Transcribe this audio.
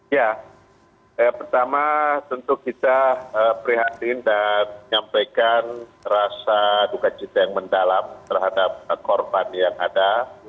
ya pertama tentu kita prihatin dan menyampaikan rasa duka cita yang mendalam terhadap korban yang ada